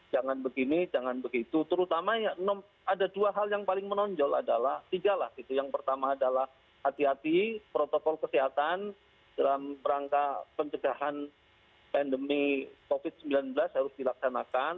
jangan begini jangan begitu terutama ada dua hal yang paling menonjol adalah tiga lah gitu yang pertama adalah hati hati protokol kesehatan dalam rangka pencegahan pandemi covid sembilan belas harus dilaksanakan